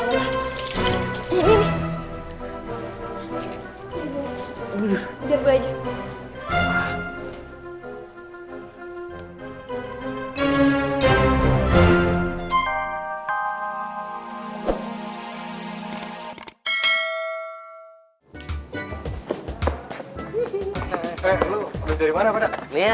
eh lo bisa dimana pada